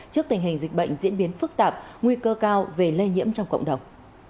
trước tình hình dịch bệnh diễn biến phức tạp nguy cơ cao về lây nhiễm trong cộng đồng